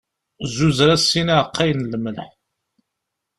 Zzuzer-as sin yiɛqqayen n lmelḥ.